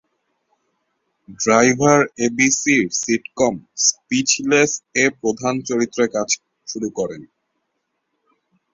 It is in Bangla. ড্রাইভার এবিসির সিটকম "স্পিচলেস"-এ প্রধান চরিত্রে কাজ শুরু করেন।